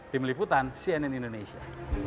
tim liputan cnn indonesia